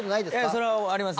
それはあります